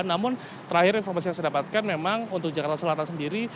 namun terakhir informasi yang saya dapatkan memang untuk jakarta selatan sendiri